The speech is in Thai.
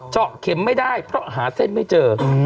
เจาะเข็มไม่ได้เพราะหาเส้นไม่เจอ